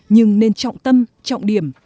nhưng nên trọng tâm trọng điểm